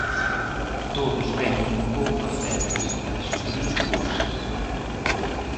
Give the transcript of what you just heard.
Todos veñen un pouco a cegas, a descubrir cousas.